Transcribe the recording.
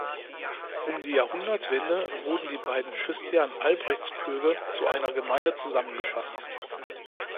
Um die Jahrhundertwende wurden die beiden Christian-Albrechts-Köge zu einer Gemeinde zusammengefasst.